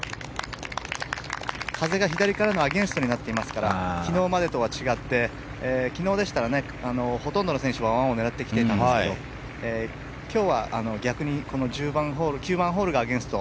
風が左からのアゲンストになっていますから昨日までとは違って昨日でしたらほとんどの選手が１オンを狙ってきてたんですけど今日は逆に９番ホールがアゲンスト